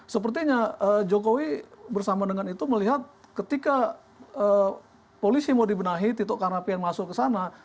sepertinya jokowi bersama dengan itu melihat ketika polisi mau dibenahi tito karnavian masuk ke sana